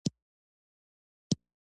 باران ځمکه خړوبوي